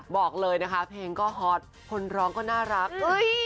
บอกเลยนะคะเพลงก็ฮอตคนร้องก็น่ารัก